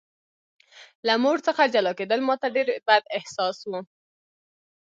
له مور څخه جلا کېدل ماته ډېر بد احساس و